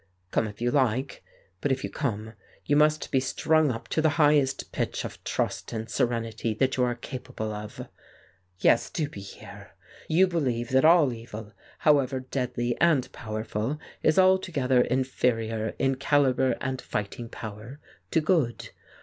Come if you like, but if you come, you must be strung up to the highest pitch of trust and serenity that you are capable of. Yes, do be here. You believe that all evil, however deadly and powerful, is altogether inferior in calibre and fighting power to good.